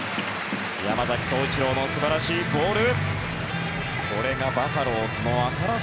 山崎颯一郎の素晴らしいボール。